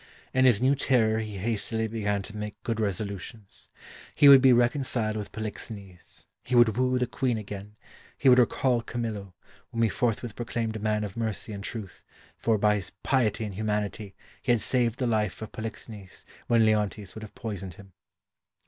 In his new terror he hastily began to make good resolutions. He would be reconciled with Polixenes; he would woo the Queen again; he would recall Camillo, whom he forthwith proclaimed a man of mercy and truth, for by his piety and humanity he had saved the life of Polixenes when Leontes would have poisoned him.